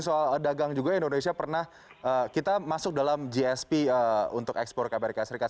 soal dagang juga indonesia pernah kita masuk dalam gsp untuk ekspor ke amerika serikat